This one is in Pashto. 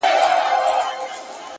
د احساساتو توازن د عقل ځواک زیاتوي’